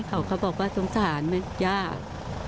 เขาก็บอกว่าสงสารมันยาก